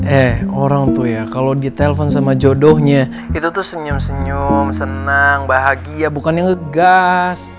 eh orang tuh ya kalau ditelepon sama jodohnya itu tuh senyum senyum senang bahagia bukannya ngegas